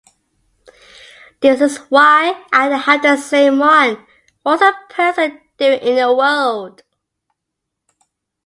یہ مجھے چین کیوں نہیں پڑتا ایک ہی شخص تھا جہان میں کیا